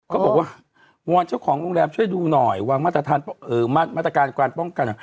เขาบอกว่าวอนเจ้าของโรงแรมช่วยดูหน่อยวางมาตรการการป้องกัน